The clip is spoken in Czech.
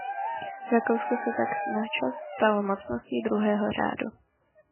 Rakousko se tak načas stalo mocností druhého řádu.